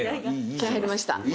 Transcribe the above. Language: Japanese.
気合入りました。